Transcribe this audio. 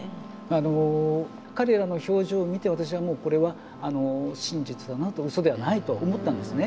あの彼らの表情を見て私はもうこれは真実だなとうそではないと思ったんですね。